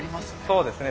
そうですね。